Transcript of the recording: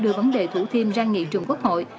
đưa vấn đề thủ thiêm ra nghị trường quốc hội